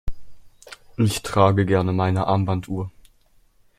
Ich trage gerne meine Armbanduhr.